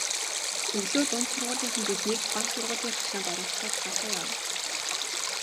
Өглөө дунд сургуулийнхан биднийг бага сургуулийн хашаанд оруулчихаад цаашаа явна.